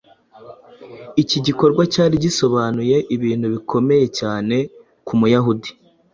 Iki gikorwa cyari gisobanuye ibintu bikomeye cyane ku Muyahudi.